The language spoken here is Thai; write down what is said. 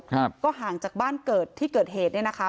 ครับก็ห่างจากบ้านเกิดที่เกิดเหตุเนี้ยนะคะ